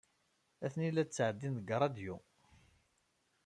Atni la d-ttɛeddin deg ṛṛadyu.